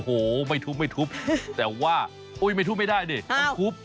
โอ้โหไม่ทุบไม่ทุบแต่ว่าไม่ทุบไม่ได้ดิมันทุบ